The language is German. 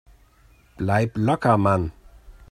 Bleib locker, Mann!